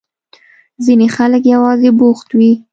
ځينې خلک يوازې بوخت وي.